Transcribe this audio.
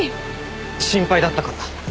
心配だったから。